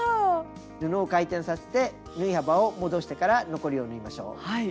布を回転させて縫い幅を戻してから残りを縫いましょう。